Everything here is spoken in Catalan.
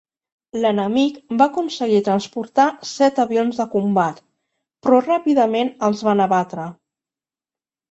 L'enemic va aconseguir transportar set avions de combat, però ràpidament els van abatre.